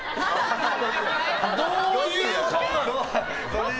どういう顔なの！